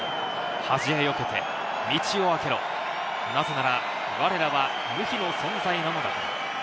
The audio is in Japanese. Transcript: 恥じらいを受けて道を開けろ、なぜなら、われらは無比の存在なのだ。